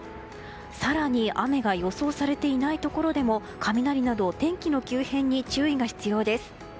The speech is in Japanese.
更に、雨が予想されていないところでも雷など天気の急変に注意が必要です。